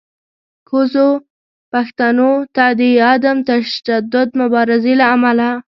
کوزو پښتنو ته د عدم تشدد مبارزې له امله